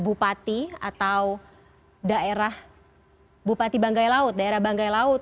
sebenarnya kita bisa menjelaskan terkait dengan kasus yang menyangkut bupati atau daerah bupati banggai laut daerah banggai laut